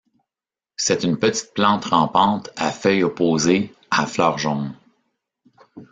C'est une petite plante rampante, à feuilles opposées, à fleurs jaunes.